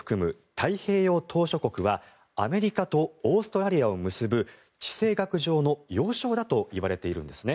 太平洋島しょ国はアメリカとオーストラリアを結ぶ地政学上の要衝だといわれているんですね。